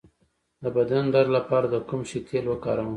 د بدن درد لپاره د کوم شي تېل وکاروم؟